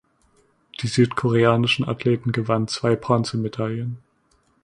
Die südkoreanischen Athleten gewannen zwei Bronzemedaillen.